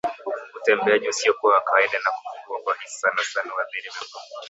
Utembeaji usiokuwa wa kawaida na kupungua kwa hisi sanasana huathiri miguu